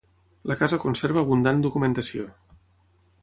La casa conserva abundant documentació.